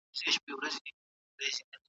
د انساني اړیکو ماهیت وپېژنئ.